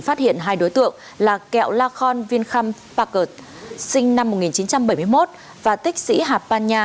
phát hiện hai đối tượng là kẹo la khon vinh khanh pakert sinh năm một nghìn chín trăm bảy mươi một và tích sĩ hạp pan nha